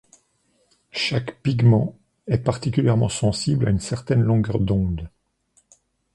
Chaque pigment est particulièrement sensible à une certaine longueur d'onde.